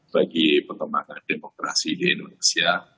bagi perkembangan demokrasi di indonesia